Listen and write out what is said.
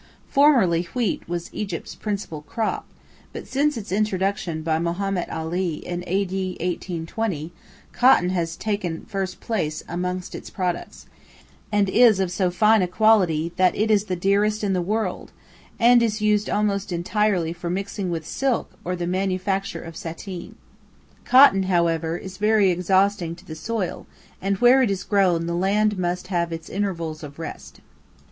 Formerly wheat was Egypt's principal crop, but since its introduction by Mohammed Ali in A.D. 1820, cotton has taken first place amongst its products, and is of so fine a quality that it is the dearest in the world, and is used almost entirely for mixing with silk or the manufacture of sateen. Cotton, however, is very exhausting to the soil, and where it is grown the land must have its intervals of rest.